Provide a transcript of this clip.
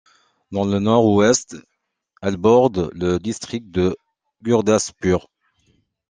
Dans le nord-ouest, elle borde le district de Gurdaspur.